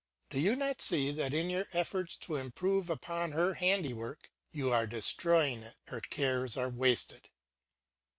Do you not see that in your efforts to improve upon her handiwork you are destroying it; her cares are wasted?